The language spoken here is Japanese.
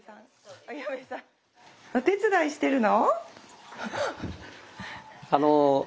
お手伝いしてるの？